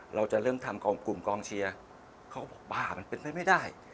เราจะเริ่มทำของกลุ่มกองเชียร์เขาก็บอกบ้ามันเป็นไปไม่ได้